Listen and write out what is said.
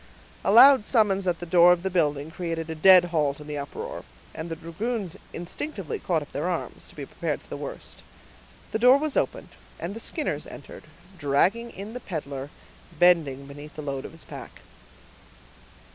A loud summons at the door of the building created a dead halt in the uproar, and the dragoons instinctively caught up their arms, to be prepared for the worst. The door was opened, and the Skinners entered, dragging in the peddler, bending beneath the load of his pack.